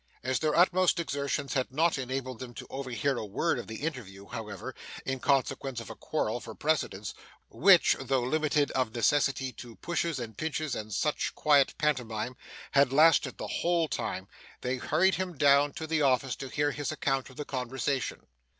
As their utmost exertions had not enabled them to overhear a word of the interview, however, in consequence of a quarrel for precedence, which, though limited of necessity to pushes and pinches and such quiet pantomime, had lasted the whole time, they hurried him down to the office to hear his account of the conversation.